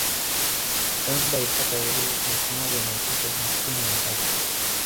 Zanzibar ilipata uhuru elfu moja Mia tisa na sitini na tatu